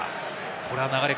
これは流れが。